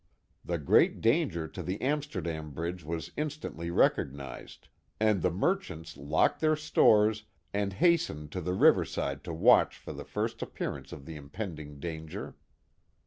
The great danger to the Amsterdam Bridge was instantly recognized, and the merchants locked their stores and hastened to the river side to watch for the first appearance of the impending danger.